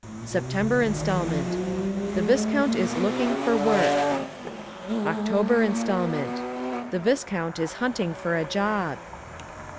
SEPTEMBER INSTALMENT The Viscount is looking for work. OCTOBER INSTALMENT The Viscount is hunting for a job.